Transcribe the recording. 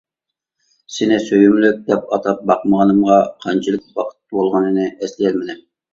سېنى سۆيۈملۈك دەپ ئاتاپ باقمىغىنىمغا قانچىلىك ۋاقىت بولغىنىنى ئەسلىيەلمىدىم.